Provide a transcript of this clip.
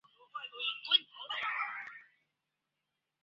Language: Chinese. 白尾鼹属等之数种哺乳动物。